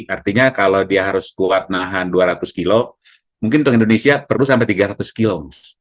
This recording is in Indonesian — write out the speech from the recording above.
artinya kalau dia harus kuat nahan dua ratus kilo mungkin untuk indonesia perlu sampai tiga ratus kilo